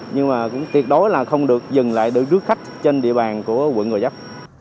nhưng mà cũng tuyệt đối là không được dừng lại được đứa khách trên địa bàn của quận gò dắp